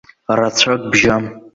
Рацәак бжьам.